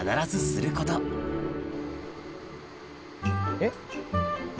えっ？